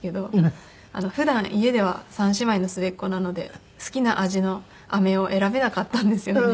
普段家では３姉妹の末っ子なので好きな味のアメを選べなかったんですよね。